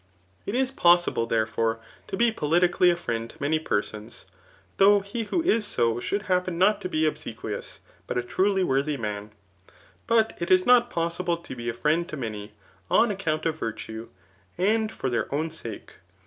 It is possible, therefore, to be politically a friend to many persons, though he who is so should happen not to be obsequious, but a truly wwthy man ; but it is not possible to be a frigid t» many, on account of virtue, and for their own sake.